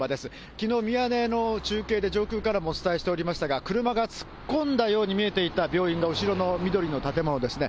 きのう、ミヤネ屋の中継で上空からもお伝えしておりましたが、車が突っ込んだように見えていた病院が、後ろの緑の建物ですね。